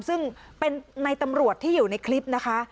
ซึ่งเป็นในตำรวจที่อยู่ในคลิปนะคะ